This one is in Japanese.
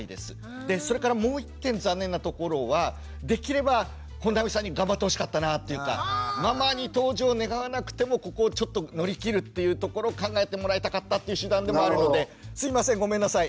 それからもう１点残念なところはできれば本並さんに頑張ってほしかったなっていうかママに登場願わなくてもここをちょっと乗り切るっていうところ考えてもらいたかったっていう手段でもあるのですいませんごめんなさい